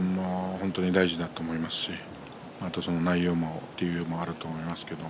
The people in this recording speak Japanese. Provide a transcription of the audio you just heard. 本当に大事だと思いますしまたその内容というのもあると思いますけれども。